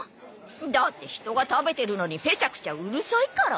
だって人が食べてるのにぺちゃくちゃうるさいから。